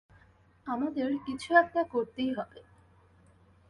আমাদের কিছু একটা করতেই হবে।